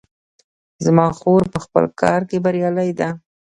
زما خور په خپل کار کې بریالۍ ده